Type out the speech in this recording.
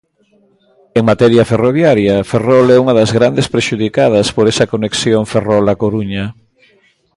En materia ferroviaria, Ferrol é unha das grandes prexudicadas por esa conexión Ferrol-A Coruña.